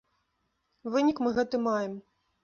Вынік мы гэты маем.